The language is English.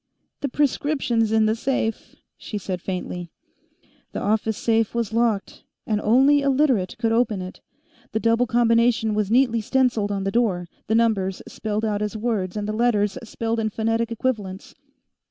"The prescription's in the safe," she said faintly. The office safe was locked, and only a Literate could open it. The double combination was neatly stenciled on the door, the numbers spelled out as words and the letters spelled in phonetic equivalents.